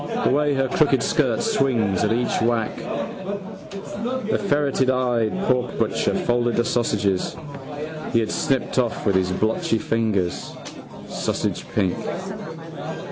The way her crooked skirt swings at each whack. The ferreteyed porkbutcher folded the sausages he had snipped off with blotchy fingers, sausagepink.